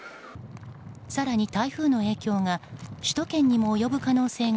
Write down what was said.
更に台風の影響が首都圏にも及ぶ可能性が